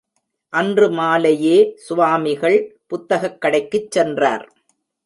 அன்று மாலேயே சுவாமிகள் புத்தகக் கடைக்குச் சென்றார்.